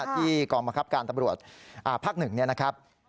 ที่ก่อมกับการตำรวจภาค๑นะครับ